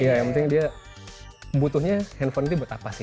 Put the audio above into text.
iya yang penting dia butuhnya handphone itu buat apa sih